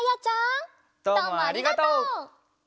どうもありがとう！